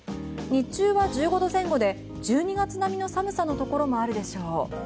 日中は１５度前後で１２月並みの寒さのところもあるでしょう。